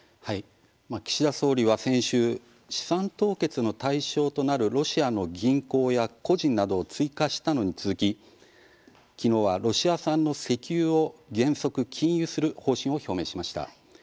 岸田総理は先週資産凍結の対象となるロシアの銀行や個人などを追加したのに続ききのうは、ロシア産の石油を原則禁輸する方針を表明しました。